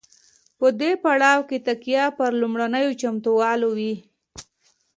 په دې پړاو کې تکیه پر لومړنیو چمتووالو وي.